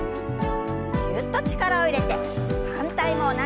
ぎゅっと力を入れて反対も同じように。